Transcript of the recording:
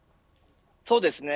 そうですね。